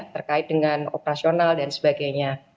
terkait dengan operasional dan sebagainya